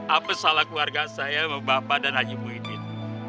apa salah keluarga saya bapak dan haji muhyiddin